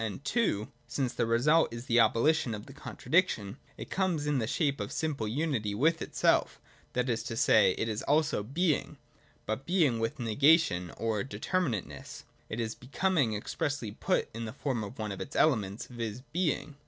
And (2) since the resuh is the abolition of the contradiction, it comes in the shape of a simple unity with itself: that is to say, it also is Being, but Being with negation or determinateness nit is Becoming expressly put in the form of one of its elements, viz. Being.